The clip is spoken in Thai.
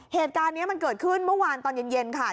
เหตุการณ์นี้มันเกิดขึ้นเมื่อวานตอนเย็นค่ะ